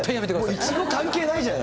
イチゴ関係ないじゃない。